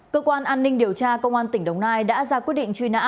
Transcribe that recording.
cơ quan an ninh điều tra công an tỉnh đồng nai đã ra quyết định truy nã